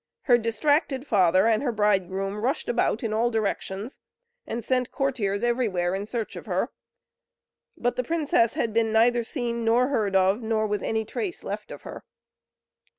Her distracted father and her bridegroom rushed about in all directions, and sent courtiers everywhere in search of her; but the princess had been neither seen nor heard of, nor was any trace left of her.